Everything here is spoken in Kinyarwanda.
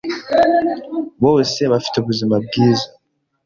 Bose bafite ubuzima bwiza,